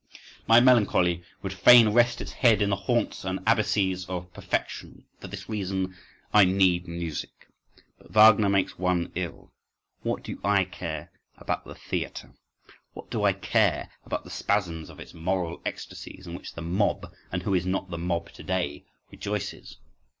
My melancholy would fain rest its head in the haunts and abysses of perfection; for this reason I need music. But Wagner makes one ill—What do I care about the theatre? What do I care about the spasms of its moral ecstasies in which the mob—and who is not the mob to day?—rejoices?